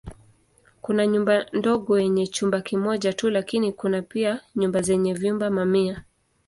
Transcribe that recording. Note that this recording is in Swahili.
Kuna nyumba ndogo yenye chumba kimoja tu lakini kuna pia nyumba zenye vyumba mamia.